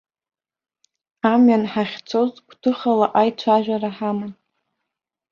Амҩан ҳахьцоз гәҭыхала аицәажәара ҳаман.